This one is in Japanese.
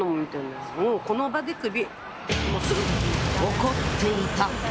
怒っていた！